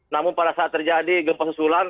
namun pada saat terjadi gempa susulan